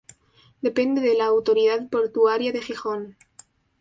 Depende de la Autoridad Portuaria de Gijón.